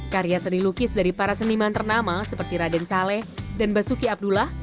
karya seni lukis dari para seniman ternama seperti raden saleh dan basuki abdullah